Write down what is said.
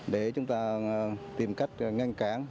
để chúng ta tìm cách ngăn cản